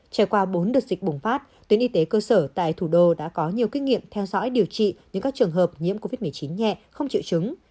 trải qua bốn đợt dịch bùng phát tuyến y tế cơ sở tại thủ đô đã có nhiều kinh nghiệm theo dõi điều trị nhưng các trường hợp nhiễm covid một mươi chín nhẹ không chịu chứng